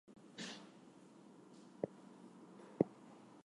Mary Ann Anderson author of "The Making of The Hitch-Hiker" appeared at this event.